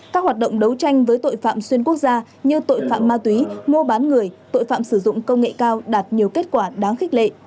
các hoạt động đấu tranh với tội phạm xuyên quốc gia như tội phạm ma túy mua bán người tội phạm sử dụng công nghệ cao đạt nhiều kết quả đáng khích lệ